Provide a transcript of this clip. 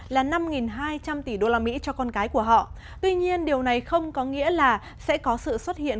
là năm hai trăm linh tỷ usd cho con cái của họ tuy nhiên điều này không có nghĩa là sẽ có sự xuất hiện